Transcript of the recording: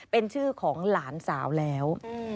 เป็นชื่อของหลานสาวแล้ว